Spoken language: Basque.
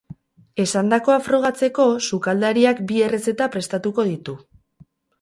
Esandakoa frogatzeko, sukaldariak bi errezeta prestatuko ditu.